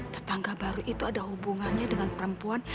tetangga baru itu ada hubungannya dengan perempuan